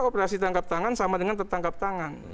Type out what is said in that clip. operasi tangkap tangan sama dengan tertangkap tangan